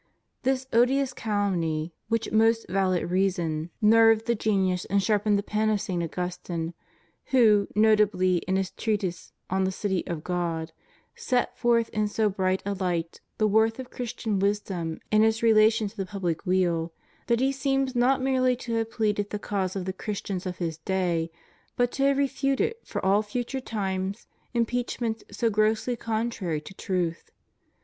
This odious cal umny, with most valid reason, nerved the genius and 107 108 CHRISTIAN CONSTITUTION OF STATES. sharpened the pen of St. Augustine, who, notably in his treatise On the City of God, set forth in so bright a light the worth of Christian wisdom in its relation to the pubhc weal, that he seems not merely to have pleaded the cause of the Christians of his day, but to have refuted for all future times impeachments so grossly contrary to truth.